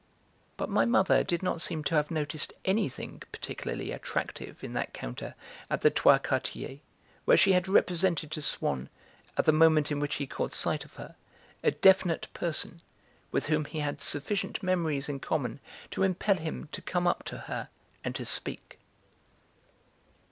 But my mother did not seem to have noticed anything particularly attractive in that counter at the Trois Quartiers where she had represented to Swann, at the moment in which he caught sight of her, a definite person with whom he had sufficient memories in common to impel him to come up to her and to speak.